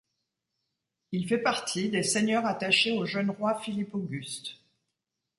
Il fait partie des seigneurs attachés au jeune roi Philippe-Auguste.